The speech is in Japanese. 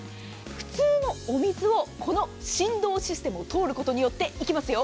普通のお水をこの振動システムを通ることによって、いきますよ。